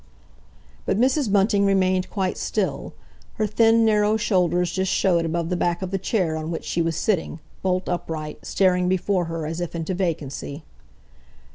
But Mrs. Bunting remained quite still; her thin, narrow shoulders just showed above the back of the chair on which she was sitting, bolt upright, staring before her as if into vacancy.